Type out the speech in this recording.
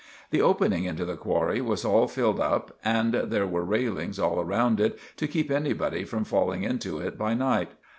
The opening into the qwarry was all filled up and there were raillings all round it to keep anybody from falling into it by night.